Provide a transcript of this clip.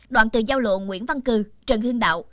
đoạn từ giao lộ nguyễn văn cử trần hưng đạo